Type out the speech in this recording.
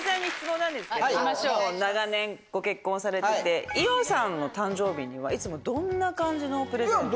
もう長年ご結婚されてて伊代さんの誕生日にはいつもどんな感じのプレゼントを。